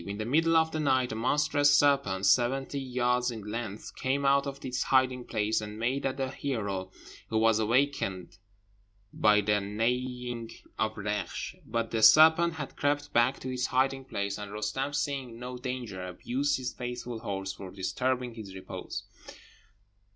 In the middle of the night a monstrous serpent, seventy yards in length, came out of its hiding place, and made at the hero, who was awaked by the neighing of Reksh; but the serpent had crept back to its hiding place, and Roostem, seeing no danger, abused his faithful horse for disturbing his repose.